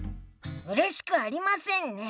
うれしくありませんね。